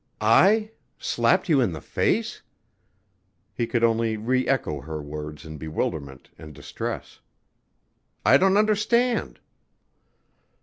"I! Slapped you in the face!" He could only reëcho her words in bewilderment and distress. "I don't understand."